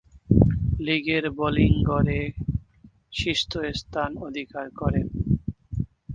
লীগের বোলিং গড়ে শীর্ষ স্থান অধিকার করেন।